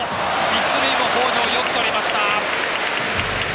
一塁も北條よくとりました。